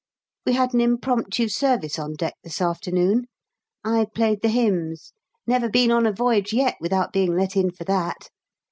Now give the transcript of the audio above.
We had an impromptu service on deck this afternoon; I played the hymns, never been on a voyage yet without being let in for that.